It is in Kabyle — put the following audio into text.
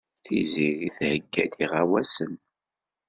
Tiziri theyya-d iɣawasen.